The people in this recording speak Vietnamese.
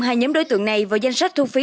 hai nhóm đối tượng này vào danh sách thu phí